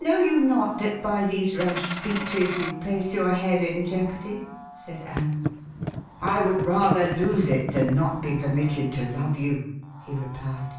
"Know you not that by these rash speeches you place your head in jeopardy?" said Anne. "I would rather lose it than not be permitted to love you," he replied.